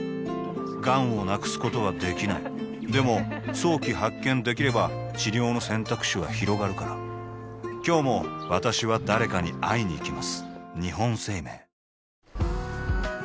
がんを無くすことはできないでも早期発見できれば治療の選択肢はひろがるから今日も私は誰かに会いにいきます